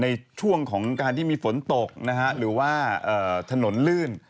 ในช่วงของการที่มีฝนตกนะฮะหรือว่าถนนลื่น